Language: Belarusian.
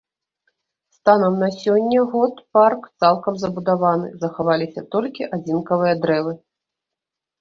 Станам на сёння год парк цалкам забудаваны, захаваліся толькі адзінкавыя дрэвы.